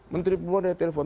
menteri pembawa dia telpon